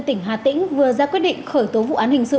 tỉnh hà tĩnh vừa ra quyết định khởi tố vụ án hình sự